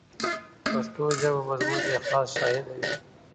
پښتو ژبه به زموږ د اخلاص شاهده وي.